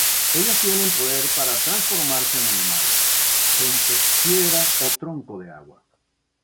Ellos tienen poder para transformarse en animal, gente, piedra o tronco de agua.